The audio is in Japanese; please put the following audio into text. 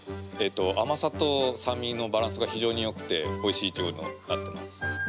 甘さと酸味のバランスが非常によくておいしいイチゴとなっています。